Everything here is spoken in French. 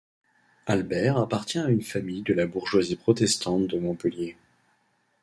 Albert appartient à une famille de la bourgeoisie protestante de Montpellier.